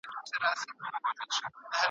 هغه د خپلو ملګرو مشورې په غور واورېدې.